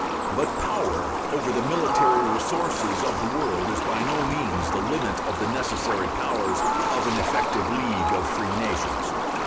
But power over the military resources of the world is by no means the limit of the necessary powers of an effective League of Free Nations.